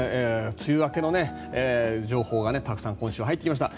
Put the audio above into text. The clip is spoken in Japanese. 梅雨明けの情報がたくさん今週、入ってきました。